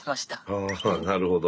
ああなるほど。